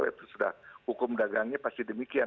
itu sudah hukum dagangnya pasti demikian